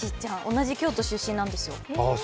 同じ京都出身なんですよ。